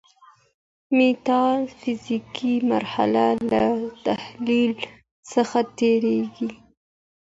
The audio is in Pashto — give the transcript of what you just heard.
ميتا فزيکي مرحله له تخيل څخه تيريږي.